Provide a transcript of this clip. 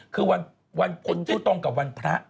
คือวันพุธที่ตรงกับวันพระ